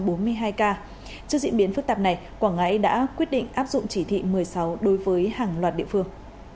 trước diễn biến phức tạp này quảng ngãi đã quyết định áp dụng chỉ thị một mươi sáu đối với hàng loạt địa phương